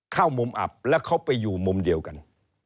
เข้ามุมอับแล้วเขาไปอยู่มุมเดียวกัน